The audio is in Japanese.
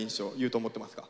斗持ってますか？